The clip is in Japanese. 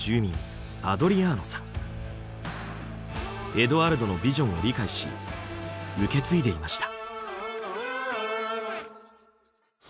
エドアルドのビジョンを理解し受け継いでいました。